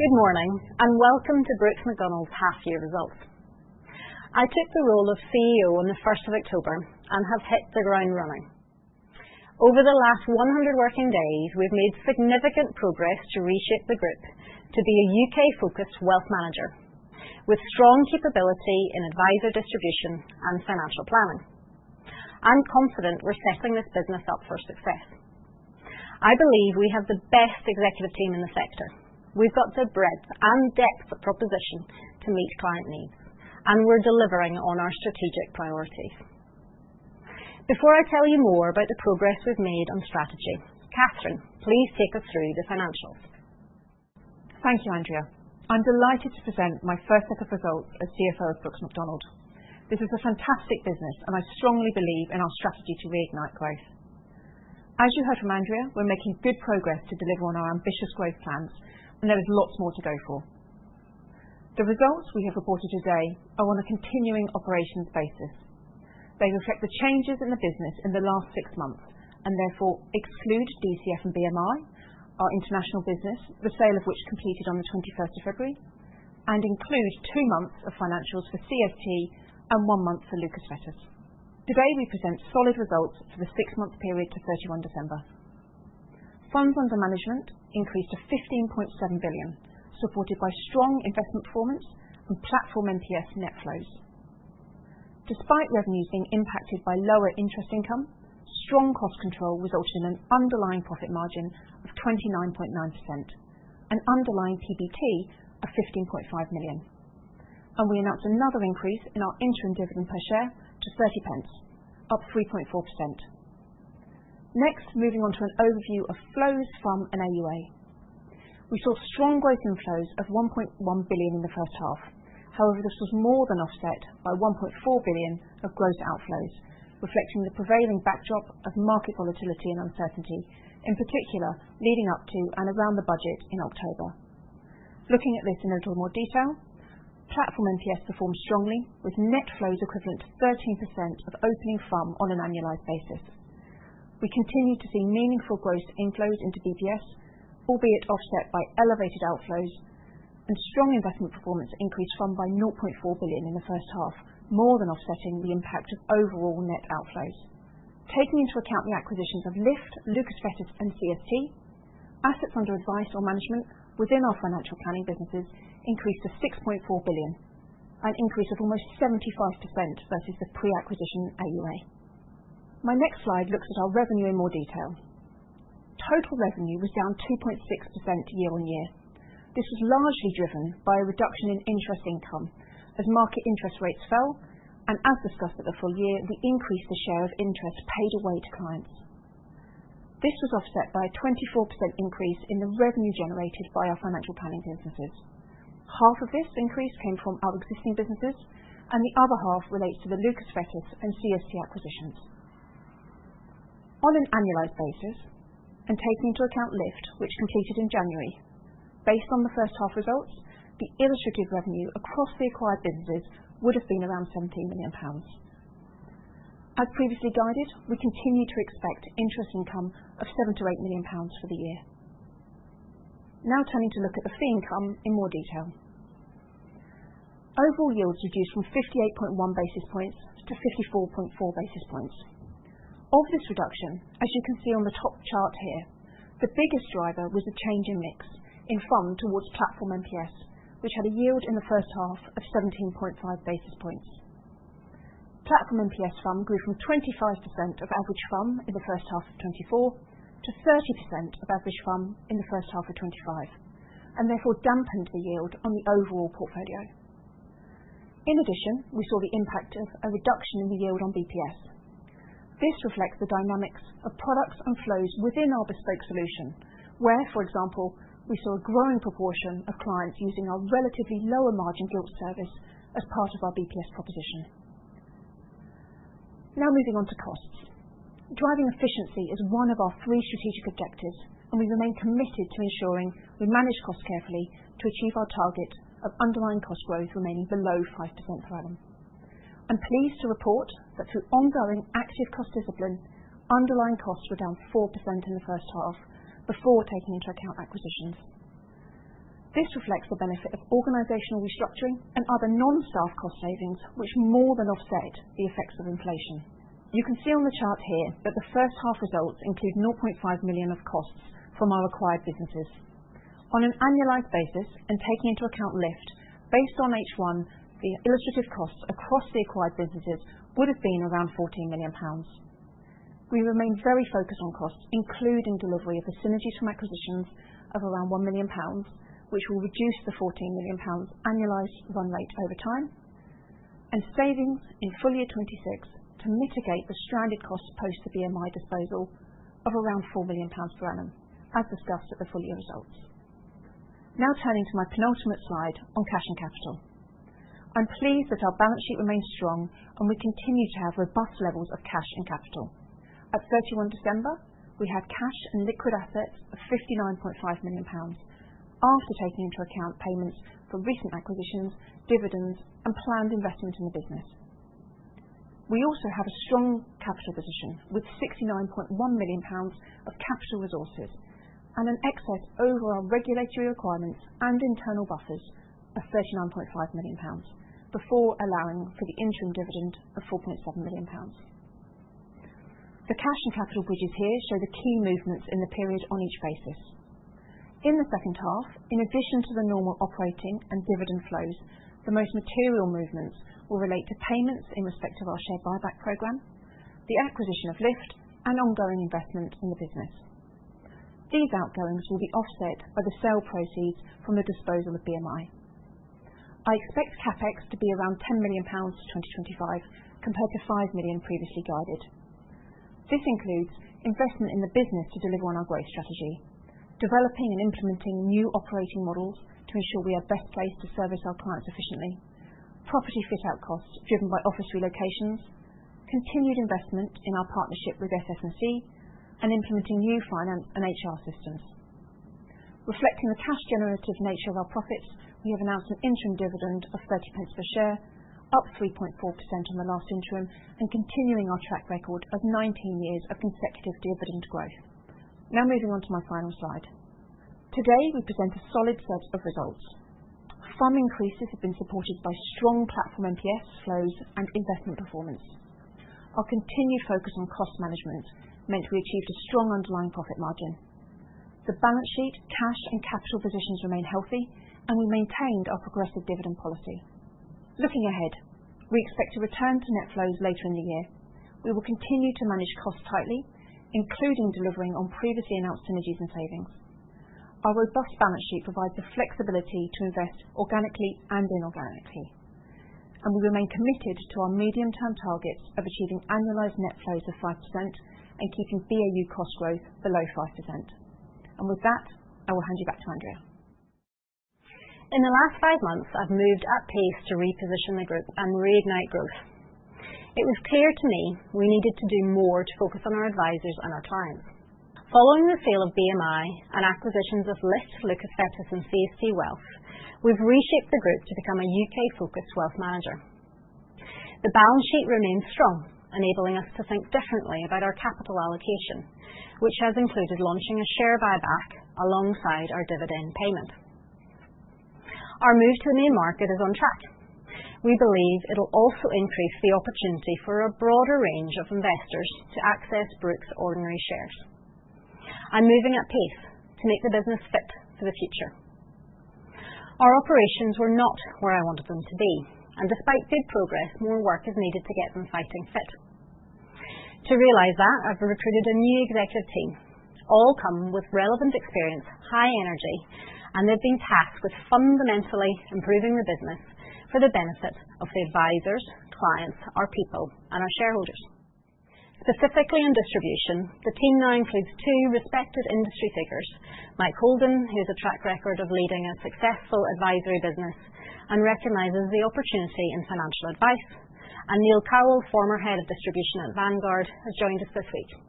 Good morning and welcome to Brooks Macdonald's half-year results. I took the role of CEO on the 1st of October and have hit the ground running. Over the last 100 working days, we've made significant progress to reshape the group to be a U.K.-focused wealth manager with strong capability in advisor distribution and financial planning. I'm confident we're setting this business up for success. I believe we have the best executive team in the sector. We've got the breadth and depth of proposition to meet client needs, and we're delivering on our strategic priorities. Before I tell you more about the progress we've made on strategy, Katherine, please take us through the financials. Thank you, Andrea. I'm delighted to present my first set of results as CFO of Brooks Macdonald. This is a fantastic business, and I strongly believe in our strategy to reignite growth. As you heard from Andrea, we're making good progress to deliver on our ambitious growth plans, and there is lots more to go for. The results we have reported today are on a continuing operations basis. They reflect the changes in the business in the last six months and therefore exclude DCF and BMI, our international business, the sale of which completed on the 21st of February, and include two months of financials for CFT and one month for Lucas Fettes. Today, we present solid results for the six-month period to 31st December. Funds under management increased to 15.7 billion, supported by strong investment performance and platform MPS net flows. Despite revenues being impacted by lower interest income, strong cost control resulted in an underlying profit margin of 29.9%, an underlying PBT of 15.5 million. And we announced another increase in our interim dividend per share to 0.30, up 3.4%. Next, moving on to an overview of flows from an AUA. We saw strong gross inflows of 1.1 billion in the first half. However, this was more than offset by 1.4 billion of gross outflows, reflecting the prevailing backdrop of market volatility and uncertainty, in particular leading up to and around the budget in October. Looking at this in a little more detail, platform MPS performed strongly, with net flows equivalent to 13% of opening FUM on an annualized basis. We continue to see meaningful gross inflows into BPS, albeit offset by elevated outflows and strong investment performance, increased by 0.4 billion in the first half, more than offsetting the impact of overall net outflows. Taking into account the acquisitions of LIFT-Financial, Lucas Fettes, and CFT Wealth, assets under advice or management within our financial planning businesses increased to 6.4 billion, an increase of almost 75% versus the pre-acquisition AUA. My next slide looks at our revenue in more detail. Total revenue was down 2.6% year on year. This was largely driven by a reduction in interest income as market interest rates fell, and as discussed at the full year, we increased the share of interest paid away to clients. This was offset by a 24% increase in the revenue generated by our financial planning businesses. Half of this increase came from our existing businesses, and the other half relates to the Lucas Fettes and CFT acquisitions. On an annualized basis, and taking into account LIFT-Financial, which completed in January, based on the first half results, the illustrative revenue across the acquired businesses would have been around GBP 17 million. As previously guided, we continue to expect interest income of 7-8 million pounds for the year. Now turning to look at the fee income in more detail. Overall yields reduced from 58.1 basis points to 54.4 basis points. Of this reduction, as you can see on the top chart here, the biggest driver was the change in mix in FUM towards Platform MPS, which had a yield in the first half of 17.5 basis points. Platform MPS fund grew from 25% of average fund in the first half of 2024 to 30% of average fund in the first half of 2025, and therefore dampened the yield on the overall portfolio. In addition, we saw the impact of a reduction in the yield on BPS. This reflects the dynamics of products and flows within our bespoke solution, where, for example, we saw a growing proportion of clients using our relatively lower margin gilts service as part of our BPS proposition. Now moving on to costs. Driving efficiency is one of our three strategic objectives, and we remain committed to ensuring we manage costs carefully to achieve our target of underlying cost growth remaining below 5% per annum. I'm pleased to report that through ongoing active cost discipline, underlying costs were down 4% in the first half before taking into account acquisitions. This reflects the benefit of organizational restructuring and other non-staff cost savings, which more than offset the effects of inflation. You can see on the chart here that the first half results include 0.5 million of costs from our acquired businesses. On an annualized basis, and taking into account LIFT-Financial, based on H1, the illustrative costs across the acquired businesses would have been around GBP 14 million. We remain very focused on costs, including delivery of the synergies from acquisitions of around 1 million pounds, which will reduce the 14 million pounds annualized run rate over time, and savings in full year 2026 to mitigate the stranded costs post the BMI disposal of around 4 million pounds per annum, as discussed at the full year results. Now turning to my penultimate slide on cash and capital. I'm pleased that our balance sheet remains strong, and we continue to have robust levels of cash and capital. At 31 December, we had cash and liquid assets of 59.5 million pounds after taking into account payments for recent acquisitions, dividends, and planned investment in the business. We also have a strong capital position with 69.1 million pounds of capital resources and an excess over our regulatory requirements and internal buffers of GBP 39.5 million before allowing for the interim dividend of GBP 4.7 million. The cash and capital widgets here show the key movements in the period on each basis. In the second half, in addition to the normal operating and dividend flows, the most material movements will relate to payments in respect of our share buyback program, the acquisition of LIFT-Financial, and ongoing investment in the business. These outgoings will be offset by the sale proceeds from the disposal of BMI. I expect CapEx to be around 10 million pounds for 2025, compared to 5 million previously guided. This includes investment in the business to deliver on our growth strategy, developing and implementing new operating models to ensure we are best placed to service our clients efficiently, property fit-out costs driven by office relocations, continued investment in our partnership with SS&C, and implementing new finance and HR systems. Reflecting the cash-generative nature of our profits, we have announced an interim dividend of 0.30 per share, up 3.4% on the last interim, and continuing our track record of 19 years of consecutive dividend growth. Now moving on to my final slide. Today, we present a solid set of results. Fund increases have been supported by strong platform MPS flows and investment performance. Our continued focus on cost management meant we achieved a strong underlying profit margin. The balance sheet, cash, and capital positions remain healthy, and we maintained our progressive dividend policy. Looking ahead, we expect to return to net flows later in the year. We will continue to manage costs tightly, including delivering on previously announced synergies and savings. Our robust balance sheet provides the flexibility to invest organically and inorganically, and we remain committed to our medium-term targets of achieving annualized net flows of 5% and keeping BAU cost growth below 5%. And with that, I will hand you back to Andrea. In the last five months, I've moved at pace to reposition the group and reignite growth. It was clear to me we needed to do more to focus on our advisers and our clients. Following the sale of BMI and acquisitions of LIFT-Financial, Lucas Fettes, and CFT Wealth, we've reshaped the group to become a U.K.-focused wealth manager. The balance sheet remains strong, enabling us to think differently about our capital allocation, which has included launching a share buyback alongside our dividend payment. Our move to the main market is on track. We believe it'll also increase the opportunity for a broader range of investors to access Brooks Ordinary shares. I'm moving at pace to make the business fit for the future. Our operations were not where I wanted them to be, and despite good progress, more work is needed to get them fighting fit. To realize that, I've recruited a new executive team, all come with relevant experience, high energy, and they've been tasked with fundamentally improving the business for the benefit of the advisors, clients, our people, and our shareholders. Specifically in distribution, the team now includes two respected industry figures, Mike Holden, who has a track record of leading a successful advisory business and recognizes the opportunity in financial advice, and Neil Cowell, former head of distribution at Vanguard, has joined us this week.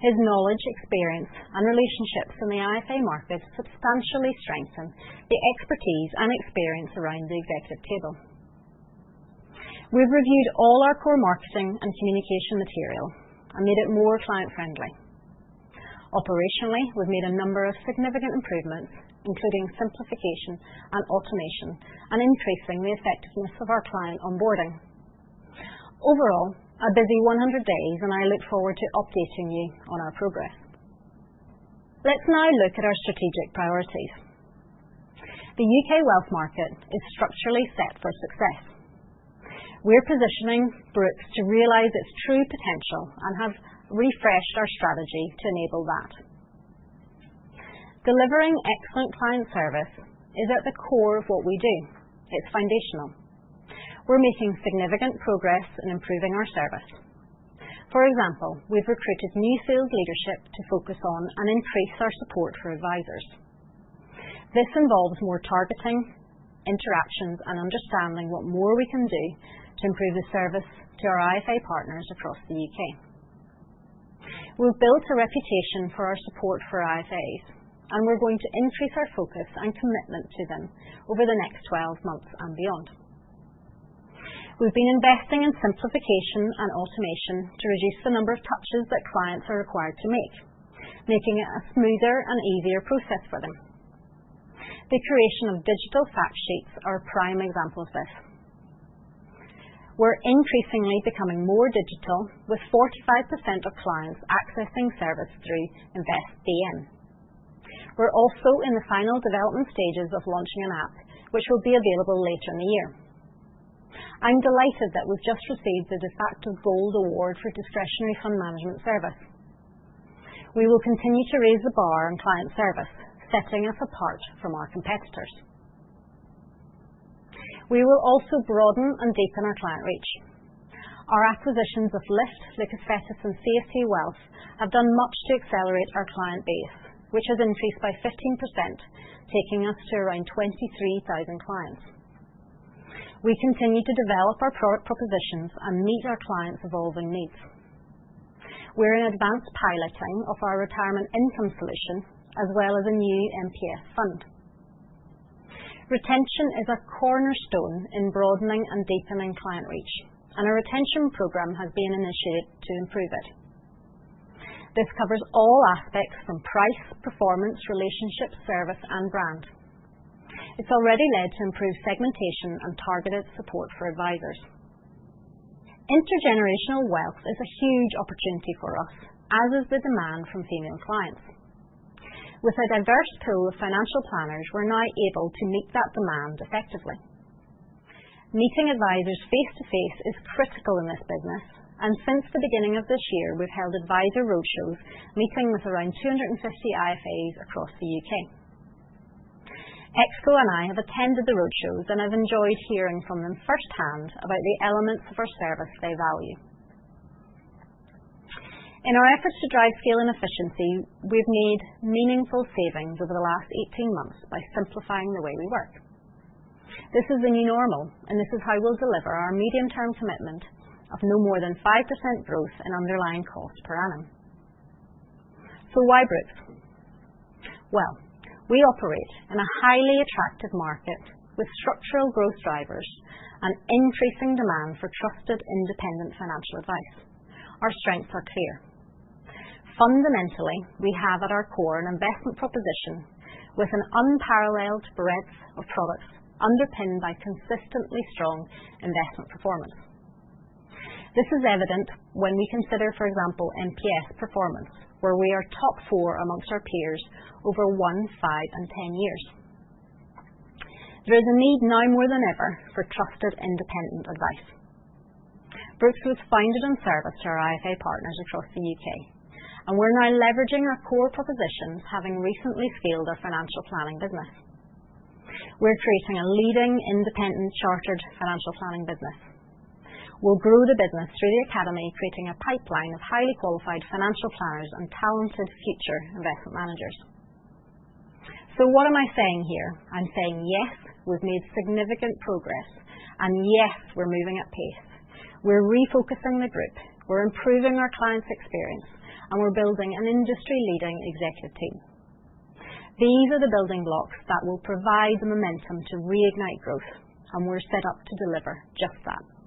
His knowledge, experience, and relationships in the IFA market substantially strengthen the expertise and experience around the executive table. We've reviewed all our core marketing and communication material and made it more client-friendly. Operationally, we've made a number of significant improvements, including simplification and automation, and increasing the effectiveness of our client onboarding. Overall, a busy 100 days, and I look forward to updating you on our progress. Let's now look at our strategic priorities. The U.K. wealth market is structurally set for success. We're positioning Brooks to realize its true potential and have refreshed our strategy to enable that. Delivering excellent client service is at the core of what we do. It's foundational. We're making significant progress in improving our service. For example, we've recruited new sales leadership to focus on and increase our support for advisors. This involves more targeting, interactions, and understanding what more we can do to improve the service to our IFA partners across the U.K. We've built a reputation for our support for IFAs, and we're going to increase our focus and commitment to them over the next 12 months and beyond. We've been investing in simplification and automation to reduce the number of touches that clients are required to make, making it a smoother and easier process for them. The creation of digital fact sheets are a prime example of this. We're increasingly becoming more digital, with 45% of clients accessing service through InvestBM. We're also in the final development stages of launching an app, which will be available later in the year. I'm delighted that we've just received the Defaqto Gold Award for discretionary fund management service. We will continue to raise the bar in client service, setting us apart from our competitors. We will also broaden and deepen our client reach. Our acquisitions of LIFT-Financial, Lucas Fettes, and CFT Wealth have done much to accelerate our client base, which has increased by 15%, taking us to around 23,000 clients. We continue to develop our product propositions and meet our clients' evolving needs. We're in advanced piloting of our retirement income solution, as well as a new MPS fund. Retention is a cornerstone in broadening and deepening client reach, and a retention program has been initiated to improve it. This covers all aspects from price, performance, relationship, service, and brand. It's already led to improved segmentation and targeted support for advisors. Intergenerational wealth is a huge opportunity for us, as is the demand from female clients. With a diverse pool of financial planners, we're now able to meet that demand effectively. Meeting advisors face-to-face is critical in this business, and since the beginning of this year, we've held advisor roadshows, meeting with around 250 IFAs across the U.K. Exco and I have attended the roadshows and have enjoyed hearing from them firsthand about the elements of our service they value. In our efforts to drive scale and efficiency, we've made meaningful savings over the last 18 months by simplifying the way we work. This is the new normal, and this is how we'll deliver our medium-term commitment of no more than 5% growth in underlying cost per annum. So why Brooks? Well, we operate in a highly attractive market with structural growth drivers and increasing demand for trusted, independent financial advice. Our strengths are clear. Fundamentally, we have at our core an investment proposition with an unparalleled breadth of products underpinned by consistently strong investment performance. This is evident when we consider, for example, MPS performance, where we are top four among our peers over one, five, and ten years. There is a need now more than ever for trusted, independent advice. Brooks was founded in service to our IFA partners across the U.K., and we're now leveraging our core propositions, having recently scaled our financial planning business. We're creating a leading, independent, chartered financial planning business. We'll grow the business through the Academy, creating a pipeline of highly qualified financial planners and talented future investment managers. So what am I saying here? I'm saying, yes, we've made significant progress, and yes, we're moving at pace. We're refocusing the group, we're improving our clients' experience, and we're building an industry-leading executive team. These are the building blocks that will provide the momentum to reignite growth, and we're set up to deliver just that.